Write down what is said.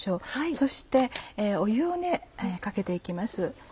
そして湯をかけて行きます。